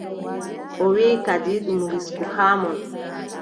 O wiʼi kadi ɗum risku haa mon.